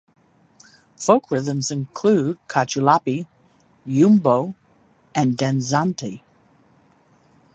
Folk rhythms include "cachullapi", "yumbo", and danzante.